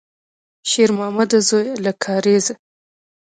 شېرمامده زویه، له کارېزه!